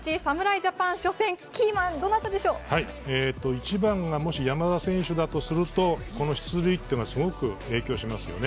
１番が山田選手だとするとこの出塁はすごく影響しますよね。